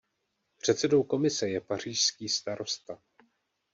Předsedou komise je pařížský starosta.